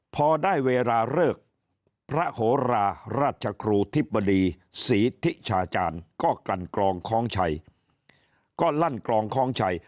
พอได้เวลาเลิกพระหโรราราชครูทิบบดีสีธิฉาจานก็กลั่นกลองคล้องไชย